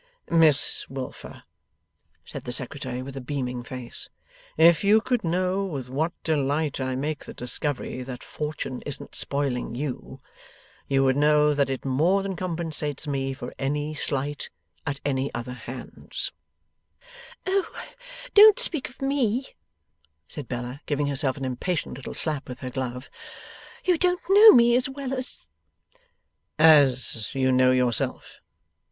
'Miss Wilfer,' said the Secretary, with a beaming face, 'if you could know with what delight I make the discovery that Fortune isn't spoiling YOU, you would know that it more than compensates me for any slight at any other hands.' 'Oh, don't speak of ME,' said Bella, giving herself an impatient little slap with her glove. 'You don't know me as well as ' 'As you know yourself?